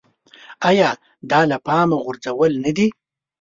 ایا دا له پامه غورځول نه دي.